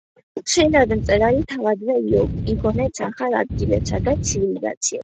ხშირად მწერალი თავადვე იგონებს ახალ ადგილებსა და ცივილიზაციებს.